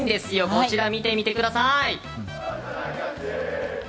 こちら、見てみてください。